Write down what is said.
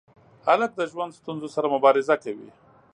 هلک د ژوند ستونزو سره مبارزه کوي.